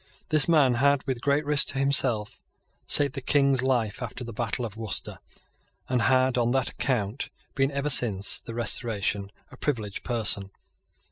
This man had, with great risk to himself, saved the King's life after the battle of Worcester, and had, on that account, been, ever since the Restoration, a privileged person.